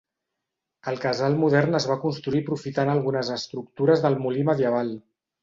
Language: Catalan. El casal modern es va construir aprofitant algunes estructures del molí medieval.